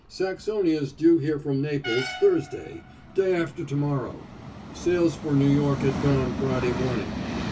Saxonia's due here from Naples Thursday day after to morrow; sails for New York at dawn Friday morning.